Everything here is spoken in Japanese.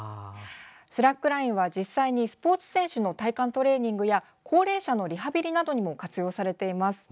スラックラインは実際にスポーツ選手の体幹トレーニングや高齢者のリハビリなどにも活用されています。